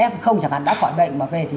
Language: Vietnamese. f chẳng hạn đã khỏi bệnh